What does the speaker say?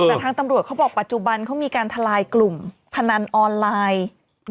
แต่ทางตำรวจเขาบอกปัจจุบันเขามีการทลายกลุ่มพนันออนไลน์